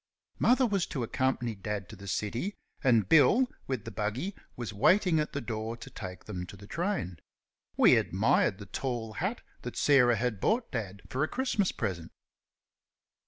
Mother was to accompany Dad to the city, and Bill, with the buggy, was waiting at the door to take them to the train. We admired the tall hat that Sarah had bought Dad for a Christmas present.